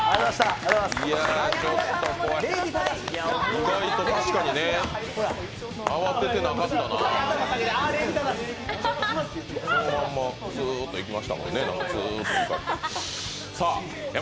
意外と確かにね、慌ててなかったなそのままスーッといきましたもんね。